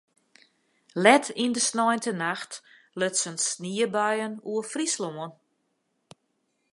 Let yn de sneintenacht lutsen sniebuien oer Fryslân.